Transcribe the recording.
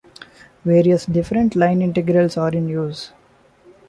Various different line integrals are in use.